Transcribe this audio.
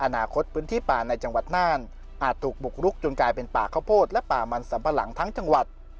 อนาคตพื้นที่ป่าในจังหวัดน่านอาจถูกบุกรุกจนกลายเป็นป่าข้าวโพดและป่ามันสัมปะหลังทั้งจังหวัด